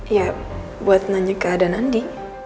ya buat nanya keadaan andi